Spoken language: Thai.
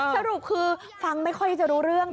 สรุปคือฟังไม่ค่อยจะรู้เรื่องนะ